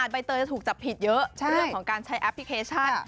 ใบเตยจะถูกจับผิดเยอะเรื่องของการใช้แอปพลิเคชัน